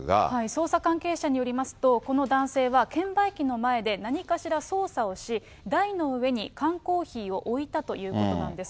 捜査関係者によりますと、この男性は、券売機の前で、何かしら操作をし、台の上に缶コーヒーを置いたということなんです。